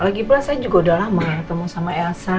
lagipula saya juga udah lama ketemu sama elsa